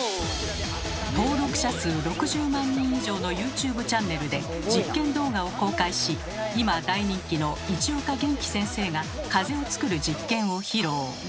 登録者数６０万人以上のユーチューブチャンネルで実験動画を公開し今大人気の市岡元気先生が風を作る実験を披露。